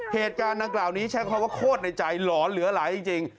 เกษตรกันนั้นเหล่านี้เช่นคำว่าโครตในใจหลอนเหลือหลายจริง